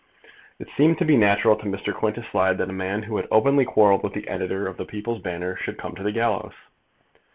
It seemed to be natural to Mr. Quintus Slide that a man who had openly quarrelled with the Editor of The People's Banner should come to the gallows.